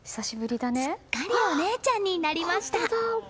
すっかりお姉ちゃんになりました！